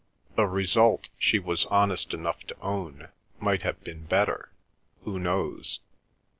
The result, she was honest enough to own, might have been better—who knows?